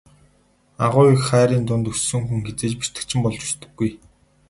Агуу их хайрын дунд өссөн хүн хэзээ ч бэртэгчин болж өсдөггүй.